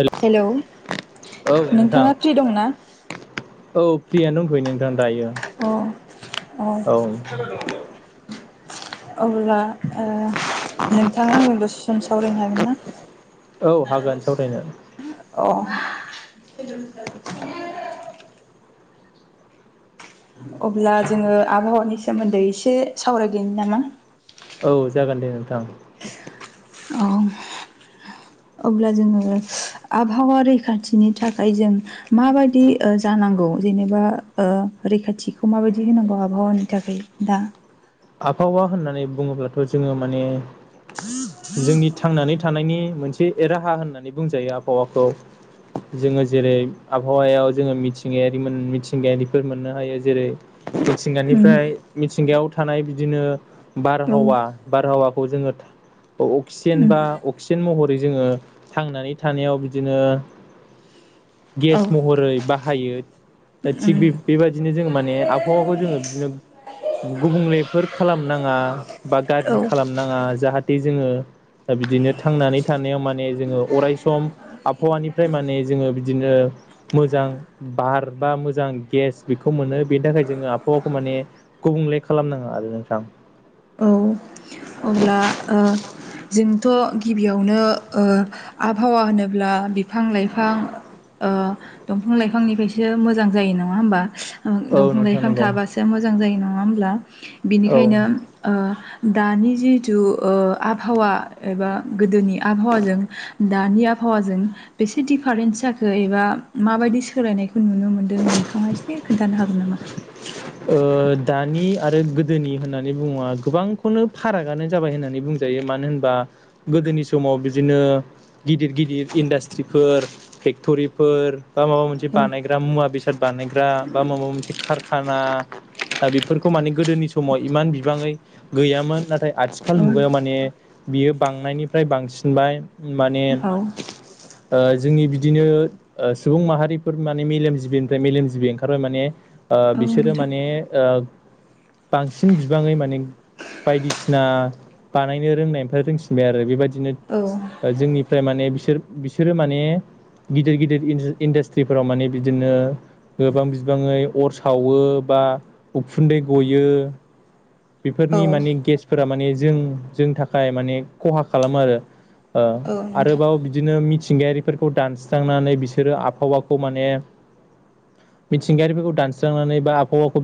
हेल' hello औ नोंथां नोंथाङा फ्रि दंना? औ फ्रियानो दंथ'यो नोंथां दायो। अ अ औ अब्ला ओ नोंथाङा आंबो दसे सम सावरायनो हागोन ना? औ हागोन सावरायनो अ [unintelligible] अब्ला जोङो आबहावानि सोमोन्दै एसे सावरायदोनि नामा? औ जागोन दे नोंथां। अ अब्ला जोङो आबहावा रैखाथिनि थाखाय जों माबायदि ओ जानांगौ जेनेबा ओ रैखाथिखौ माबायदि होनांगौ आबहावानि थाखाय दा आबहावा होननानै बुङोब्लाथ' जोङो माने जोंनि थांनानै थानायनि मोनसे राहा होननानै बुंजायो आबहावाखौ जोङो जेरै आबहावायाव जोङो मिथिंगायारि मिथिंगायारिफोर मोननो हायो जेरै उम मिथिंगानिफ्राय मिथिंगायाव थानाय बिदिनो औ बारहावा उम बारहावाखौ जोङो अक्सिजेन बा अक्सिजेन मह रै जो थांनानै थानायाव बिदिनो औ गेस महरै बा हायो दा उम थिग बे बेबायदिनो जों माने आबहावाखौ जोङो बिदिनो गुबुंलेफोर खालामनाङा बा गाज्रि औ खालामनाङा जाहाथे जोङो बिदिनो थांनानै थानायाव माने जोङो अराय सम आबहावानिफ्राय माने जोङो बिदिनो मोजां बार बा मोजां गेस बेखौ मोनो बेनि थाखाय जोङो आबहावाखौ माने माने गुबुंले खालामनाङा आरो नोंथां औ अब्ला ओ जोंथ' गिबियावनो ओ आबहावा होनोब्ला बिफां लाइफां ओ दंफां लाइफांनिफ्रायसो मोजां जायो नङा होमबा? औ दंफां नोंथां लाइफां नंगौ थाबासो मोजां जायो नङा होमब्ला औ बिनिखायनो ओ दानि जिथु आबहावा एबा गोदोनि आबहावाजों दा दानि आबहावाजों बेसे दिफारेन्स जाखो एबा मा बायदि सोलायनाय नुनो मोन्दों नोंथाङा एसे खोन्थानो हागोन नामा? ओ दानि आरो गोदोनि होननानै बुङोबा गोबांखौनो फारागानो जाबाय होननानै बुंजायो। मानो होनबा गोदोनि समाव बिदिनो गिदिर गिदिर इन्डास्ट्रिफोर फेक टरिफोर बा माबा मोनसे औ बानाय मुवा बेसाद बा नायग्रा बा माबा मोनसे खारखाना दा बेफोरखौ माने गो गोदोनि समाव इमान बिबाङै गैयामोन नाथाय आथिखाल औ मुगायाव माने बियो बांनायनिफ्राय बांसिनबाय माने औ ओ जोंनि बि बिदिनो सुबुं माहारिफोर माने मेलेम जिबिनिफ्राय मेलेम जिबि ओंखारबाय माने ओ औ बिसोरो नोंथां माने ओ बांसिन बिबाङै माने बायदिसिना बानायनो रोंनायनिफ्राय रोंसिनबाय आरो बेबायदि औ बिदिनो जोंनिफ्राय माने बिसोर बिसोर बिसोरो माने गिदिर गिदिर इन्डासट्रिफोराव माने बिदिनो गोबां बिबाङै अर सावो बा उखुन्दै गयो। औ बेफोरनि माने गेसफोरा माने जों जोंनि थाखाय माने खहा खालामो आरो। ओ औ आरोबाव नोंथां बिदिनो मिथि थिंगायारिफोरखौ दानस्रांनानै बिसोरो आबहावाखौ माने मिथिंगायारिफोरखौ दानस्रांनानै बा आब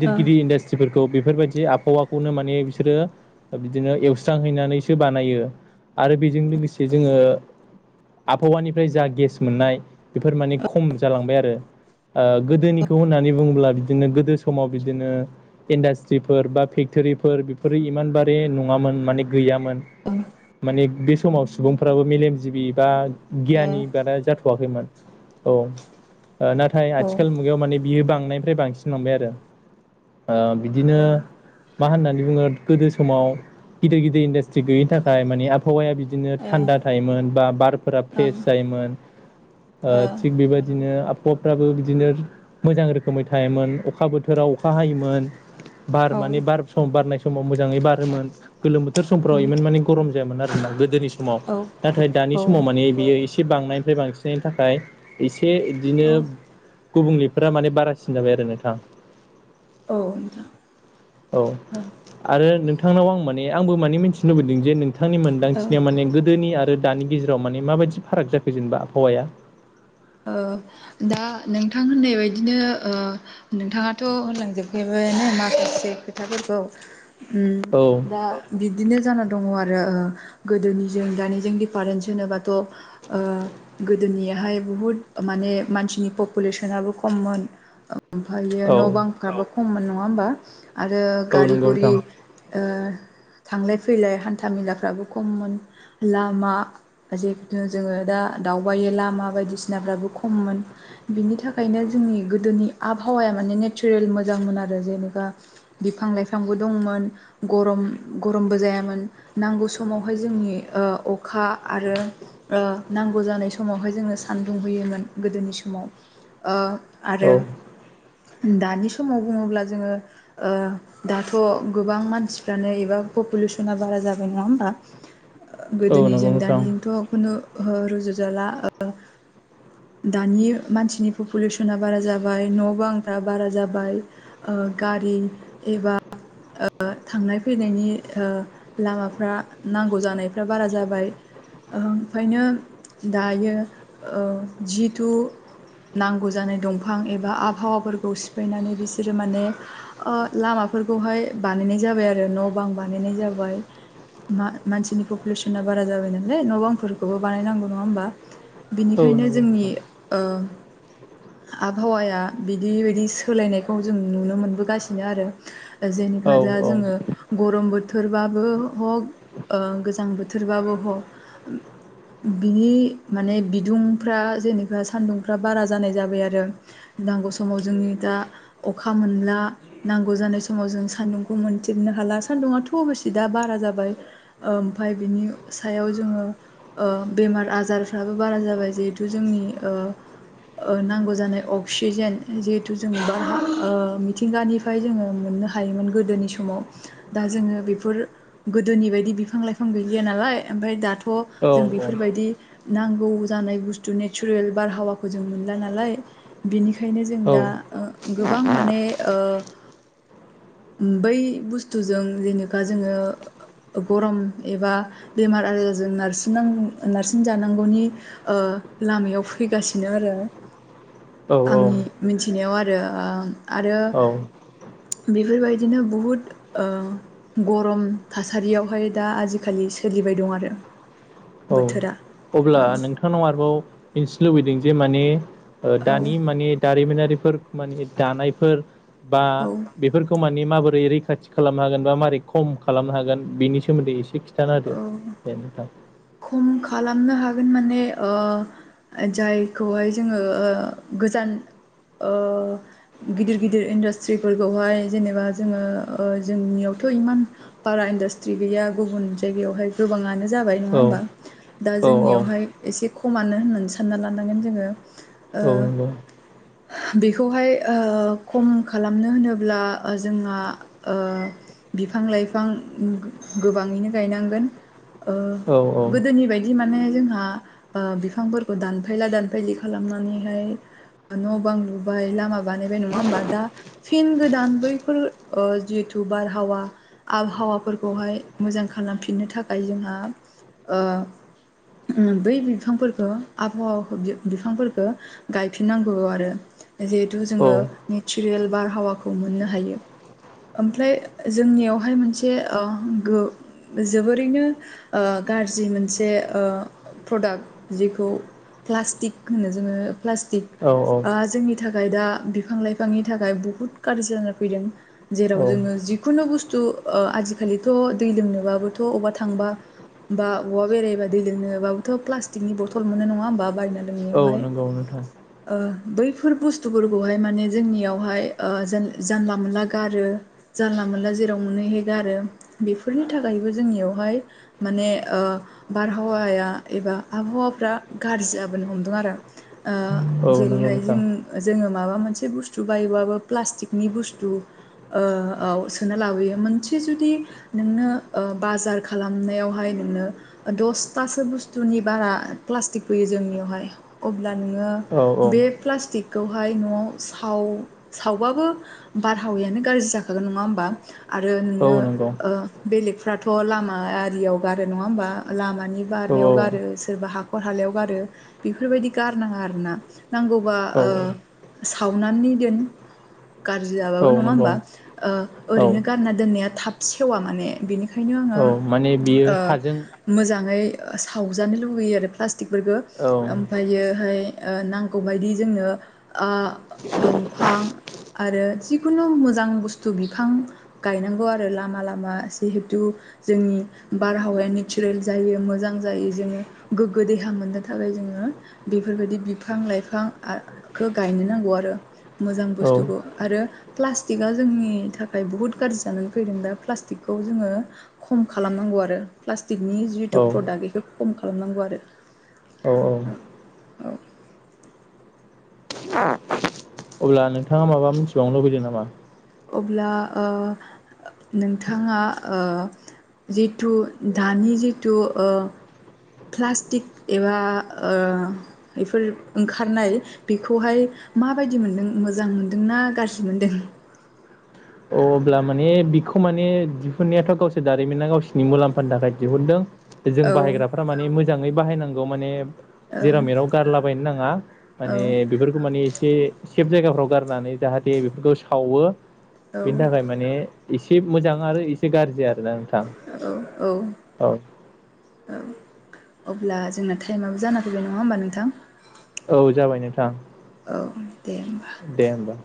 गिदर गिदि इडासट्रिफोर खौ बेफोरबायदि आबहावाखौनो माने बिसोरो बिदिनो एवस्रांहैनानैसो बानायो। आरो बेजों लोगोसे जोङो आबहावानिफ्राय जा गेस मोननाय बेफोर माने खम जालांबाय आरो। ओ गोदोनिखौ होननानै बुङोब्ला बिदिनो गोदो समाव बिदिनो इन्डास्ट्रिफोर बा फेक्ट'रिफोर बेफोरो इमान बारे नङामोन माने गैयामोन। ओ ओं माने बे समाव सुबुंफ्राबो मेलेमजिबि बा गियानि बारा जाथ'वाखैमोन औ। ओ नाथाय ओ आथिखाल मुगायाव माने बियो बांनायनिफ्राय बांसिनलांबाय आरो। ओ बिदिनो औ मा होननानै बुङो गोदो समाव गिदिर गिदिर इन्डासट्रि गैयिनि थाखाय माने आबहावाया बिदिनो थानदा थायोमोन बा बारफोरा औ ओ प्रेस जायोमोन। ओ थिग बेबा दिनो आबहावाफ्राबो बिदिनो मोजां रोखोमै थायोमोन, अखा बोथोराव अखा हायोमोन। बार ओं ओ औ माने बार [unintelligible] बारनाय समाव मोजाङै बारोमोन। गोलोम बोथोर समफ्राव उम इमान माने गरम जायामोन आरो ना गोदोनि स माव नाथाय दानि औ समाव माने बियो एसे बांनायनिफ्राय बांसिननायनि थाखाय एसे बिदिनो औ औ गुबुंलेफोरा माने बारासिन जाबाय आरो नोंथां। औ औ आरो नोंथांनाव आं माने आंबो माने मिथिनो लुबैदों जे नों थांनि ओ मोनदांथिनिया माने गोदोनि आ रो दानि गेजेराव माने माबायदि फाराग जाखो जेनेबा आबहावाया? ओ दा नोंथां होननाय बायदिनो ओ नोंथाङाथ' होनोलांजोबखाबायानो माखासे खोथाफोरखौ उम औ दा बि दिनो जाना दङ आरो गोदोनिजों दानिजों दिफारेन्स होनोबाथ' ओ गोदोनियाहाय बुहुद माने मानसिनि पपुलेसनाबो खममोन, ओमफ्रायो औ न' बांफ्राबो खममोन नङा होमबा। आरो औ गारि नंगौ गुरि नोंथां ओ थांलाय फैलाय हान्था मेलाफ्राबो खममोन, लामा जिखुनु जोङो दा दावबायो लामा बायदिसि फ्राबो खममोन, बिनि थाखायनो जोंनि गोदोनि आबहावाया माने नेचारेल मोजांमोन आ रो जेनेबा बिफां लाइफांबो दंमोन, गरम गरमबो जायामोन नांगौ समावहाय जोंनि ओ अखा आरो ओ नांगौ जानाय समावहाय जोंनो सान्दुं होयोमोन गोदोनि समाव। ओ आरो औ दानि समाव बुङोब्ला जोङो ओ दाथ' गोबां मानसिफ्रानो एबा पपुलेसना बारा जाबाय नङा होनबा प ओ औ नंगौ गोदोनिजों नोंथां दानिजोंथ' खुनु रुजुजाला ओ दानि मानसिनि पपुलेसना बारा जाबाय, न' बांफ्रा बारा जाबाय ओ गारि एबा ओ थांनाय फैनायनि ओ लामाफ्रा नांगौ जानायफ्रा बारा जाबाय। ओंखायनो दायो ओ जिथु नांगौ जानाय दंफां एबा आबहावाफोरखौ सिफायनानै बिसोरो माने ओ लामा फोरखौहाय बानायनाय जाबाय आरो, न' बां बानायनाय जाबाय। मा-मानसिनि पपुलेसना बारा जाबाय नालाय न' बांफोरखौबो बानायनांगौ नङा होमबा? औ बिनिखायनो नंगौ जोंनि नोंथां ओ आबहावाया बिदि बायदि सोलायनायखौ जों नुनो मोनबोगासिनो आरो। औ जेनेखा दा औ जोङो, गरम बोथोरबाबो हक गोजां बोथोर बोथोरबाबो हग बिनि माने बिदुं [unintelligible] जेनेबा सानदुंफ्रा बारा जानाय जाबाय आरो। नांगौ समाव जोंनि दा अखा मोनला। नांगौ जानाय समाव जों सान्दुंखौ मोनथेरनो हाला, सान्दुङाथ' अबसे दा बारा जाबाय। ओमफाय, बिनि सायाव जोङो ओ बेमार आजारफ्राबो बारा जाबाय जितु जोंनि ओ ओ, नांगौ जानाय अक्सिजेन जिहेथु जों बा मिथिंगानिफ्राय जोंङो मोनो। मोननो हायोमोन गोदोनि समाव। दा जोंङो बेफोर गोदोनि बायदि बिफां -लाइफां गैलिया नालाय ओमफ्राय, दाथ' औ जों बेफोरबायदि नांगौ जानाय बुस्थु नेचुरेल बारहावाखौ जों मोनला नालाय बिनिखाय ओंखायनो, जों दा ओ गोबां माने ओ बै बुस्थुजों जेनेखा जोंङो गरम एबा बेमार आजारजों नारसिन -नारसिन जानांगौनि ओ लामायाव फैगासिनो आरो। औ आंनि मिथिनायाव आरो ओ आरो औ बेफोरबायदिनो बुहुद, ओ गरम थासारियावहाय दा आजिखालि सोर फैबाय दं आरो औ, बोथोरा अब्ला औ नोंथांनाव आरोबाव मिन्थिनो लुबैदों जे माने औ दानि माने दारिमिनारिफोर माने दानायफोर बा औ बेफोरखौ माने माबोरै रैखाथि खालामनो हागोन बा मै खम खालामनो हागोन बेनि सोन्दैसे एसे‌ [unintelligible] खोनथाना‌ दे औ नोंथां? खम खालामनो हागोन माने ओ जायखौहाय जोंङो ओ गोजान ओ गिदिर- गिदिर इन्डास्ट्रिफोरखौहाय जेनेबा जोङो ओ जोंनियाव थ' इमान बारा इदास्ट्रि गैया। गुबुन जायगायावहाय गोबांङानो जाबाय नङा औ होनबा? दा औ जोंनियावहाय एसे खमनो होननानै सानना लानांगोन जोंङो। औ नंगौ। बिखौहाय ओ खम खालामनो होनोब्ला, ओ जोंहा ओ बिफां -लाइफां गो- गोबांङैनो गायनांगोन। ओ औ गोदोनि बायदि माने जोंहा ओ बिफांफोरखौ दानफायला -दानफायलि खालामनानैहाय न' बां लुबाय, लामा बानायबाय नङा होमबा दा फिन गोदान बैफोर ओ जिहेतु बारहावा आबहावाफोरखौहाय मोजां खालामफिननो थाखाय जोंहा ओ ओम बै बिफांफोरखौ आबहावा बि-बिफांफोरखौ गायफिननांगौ आरो जिहेथु, औ जोंङो नेचुरेल बारहावाखौ मोननो हायो। ओमफ्राय, जोंनियावहाय मोनसे ओ गो जोबोरैनो ओ गाज्रि मोनसे ओ प्रडाक्ट जेखौ प्लास्टिक होनो जोंङो। प्लास्टिक औ आ जोंनि थाखाय थाखाय दा बिफां -लाइफांनि थाखाय बुहुत गाज्रि जानानानै फैदों। जेराव औ जोङो जिखुनु बुस्थु बुस्थु आजिखालिथ' दै लोमनोबाबोथ' अबावबा थांबा बा औवा बेरायबा दै लोंनोबाबोथ' प्लास्टिकनि बथल मोनो नङा होमबा बायनानै औ जोंनियावहाय नंगौ नोंथां ओ बैफोर बुस्थुफोरखौहाय माने जोंनियावहाय, ओ जा-जानला मोनला गारो जानला मोनला जेराव मोनो इहाव गारो। बेफोरनि थाखायबो जोंनियावहाय माने ओ, बारहावाया एबा आबहावाफ्रा गाज्रि जाबोनो हमदों आरो ओ औ नंगौ जेरैहाय, नोंथां जों जोंङो माबा मोनसे बुस्थु बायोबाबो प्लास्टिकनि बुस्थु ओ औ, सोना लाबोयो मोनसे जुदि नोंनो ओ बाजार खालामनायावहाय ओ द'स्तासो बुस्तुनि बारा प्लास्टिक फैयो, जोंनियाव हाय अब्ला नोंङो औ बे औ प्लास्टिक खौहाय न'आव साव सावबाबो बारहावायानो गाज्रि जाखागोन नंङा होमबा? आरो औ नोंङो नंगौ ओ बेलेगफ्राथ' लामा आरियाव गारो नंङा होमबा लामानि औ बारनायाव गारो औ सोरबा हाखर हालायाव गारो बेफोरबायदि गारनाङा आरोना नांगौबा ओ औ सावनानै दोन गार औ जियाबाबो नंङा नंगौ ओमबा ओ औ ओरैनो गारना दोननाया थाब सेवा माने बिनिखायनो आंङो अ माने बियो ओ हाजों मोजाङै ओ सावजानो लुुबैयो आरो प्लास्टिकफोरखो औ ओमफायोहाय ओ नांगौबायदि जोंनो आ दंफां आरो जिखुनु मोजां बुस्थु बिफां गायनांगौ आरो लामा लामा जिहेथु जोंनि बारहावाया नेचारेल जायो मोजां जायो जोङो गोग्गो देहा मोननो थाखाय जोङो बेफोर बायदि बिफां लाइफां आखौ गायनो नांगौ आरो मोजां औ बुस्थुखौ आरो प्लास्टिकआ जोंनि थाखाय बहुद गाज्रि जानानै फैदों दा प्लास्टिकखौ जोङो खम खालामनांगौ आ रो प्लास्टिकनि जितु प्रडाक्ट बेखो खम खालामनांगौ आरो औ औ औ अब्ला नोंथाङा माबा मिथिबावनो लुगैदो नामा? अब्ला ओ नोंथाङा ओ जिथु दानि जिथु ओ प्लास्टिक एबा ओ एफोर ओंखारनाय बेखौहाय माबायदि मोनदों मोजां मोनदोंना गाज्रि मोनदों। अ अब्ला माने बिखौ माने दिहुननायाथ' गावसोर दारिमिना गावस्नि मुलाम्फानि थाखाय दिहुनदों। जों औ बाहायग्राफ्रा माने मोजाङै बाहायनांगौ माने औ जेरामेराव गारलाबायनो नाङा माने औ बेफोरखौ माने एसे सेफ जायगाफ्राव गारनानै जाहाथे बेफोरखौ सावो बेनि थाखाय माने एसे मोजां आरो एसे गाज्रि आरोना नोंथां औ औ औ अब्ला जोंना टाइमाबो जाना फैबाय नङा होमबा नोंथां। औ जाबाय नोंथां औ दे होमबा दे होमबा